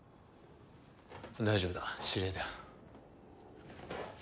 大丈夫だ知り合いだ。